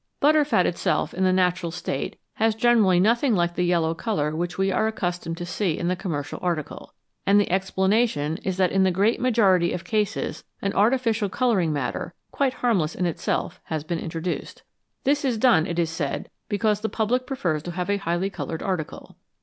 Butter fat itself in the natural state has generally nothing like the yellow colour which we are accustomed to see in the commercial article, and the explanation is that in the great majority of cases an artificial colouring matter, quite harmless in itself, has been introduced. This is done, it is said, because the public prefers to have a highly coloured article.